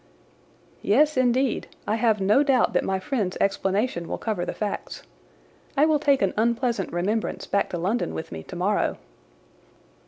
"Yes, indeed. I have no doubt that my friend's explanation will cover the facts. I will take an unpleasant remembrance back to London with me tomorrow."